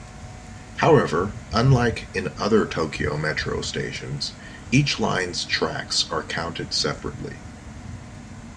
However, unlike in other Tokyo Metro stations, each line's tracks are counted separately.